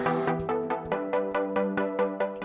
kita menuju ke destinasi berikutnya